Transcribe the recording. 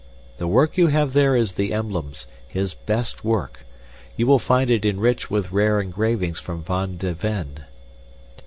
The work you have there is the Emblems his best work. You will find it enriched with rare engravings from Van de Venne."